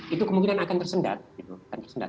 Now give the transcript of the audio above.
itu kemungkinan akan tersendat